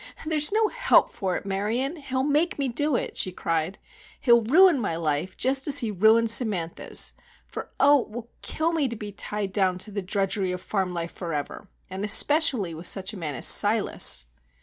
"There's no help for it, Marion. He'll make me do it," she cried. "He'll ruin my life just as he ruined Samantha's, for, oh, it will kill me to be tied down to the drudgery of farm life forever, and especially with such a man as Silas."